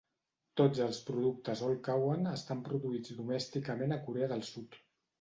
Tots els productes All Cowon estan produïts domèsticament a Corea del Sud.